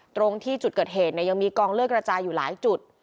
ตรงที่บนจุดเกิดเหตุยังมีกองเลิกระจายอยู่หลายจุด